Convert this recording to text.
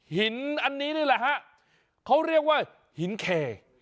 หินอันนี้นี่แหละฮะเขาเรียกว่าหินเค